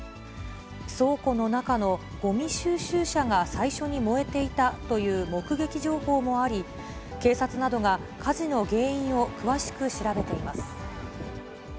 倉庫の中のごみ収集車が最初に燃えていたという目撃情報もあり、警察などが火事の原因を詳しく調べています。